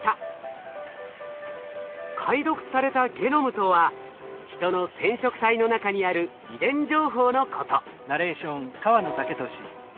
解読されたゲノムとはヒトの染色体の中にある遺伝情報のこと。